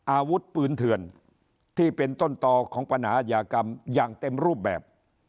อาวุธปืนเถื่อนที่เป็นต้นต่อของปัญหาอายากรรมอย่างเต็มรูปแบบ